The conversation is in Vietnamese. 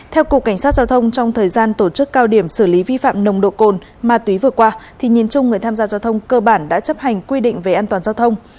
theo cục cảnh sát giao thông trong thời gian tổ chức cao điểm xử lý vi phạm nồng độ cồn ma túy vừa qua thì nhìn chung người tham gia giao thông cơ bản đã chấp hành quy định về an toàn giao thông